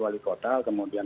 bagaimana dari lokasi soal haus